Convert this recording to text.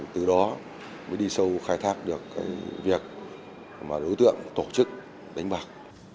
từ đó mới đi sâu khai thác được cái việc mà đối tượng tổ chức đánh bạc